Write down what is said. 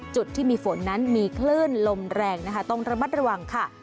จุดที่มีฝนนั้นมีคลื่นลมแรงนะคะต้องระมัดระวังค่ะ